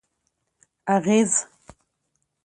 اغېز: